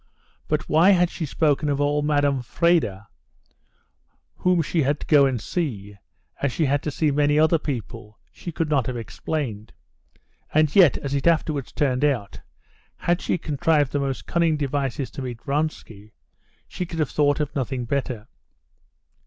But why she had spoken of old Madame Vrede, whom she had to go and see, as she had to see many other people, she could not have explained; and yet, as it afterwards turned out, had she contrived the most cunning devices to meet Vronsky, she could have thought of nothing better.